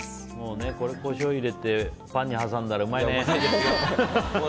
これにコショウ入れてパンに挟んだらうまいね。